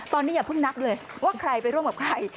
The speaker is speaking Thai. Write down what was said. ตอนนี้อย่าเพิ่งนับเลยว่าใครไปร่วมกับใคร